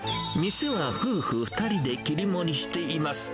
店は夫婦２人で切り盛りしています。